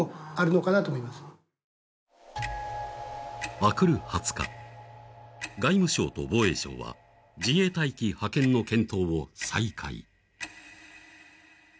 明くる２０日、外務省と防衛省は自衛隊機派遣の検討を再開。